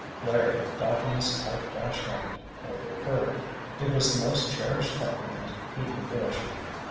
Larry, doffing his tight "crash" helmet, overheard. It was the most cherished compliment he could wish.